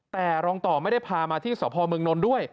แต่รองต่อไม่ได้พามาที่สพเมืองนนท์ด้วย